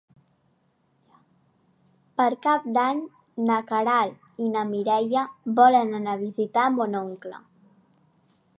Per Cap d'Any na Queralt i na Mireia volen anar a visitar mon oncle.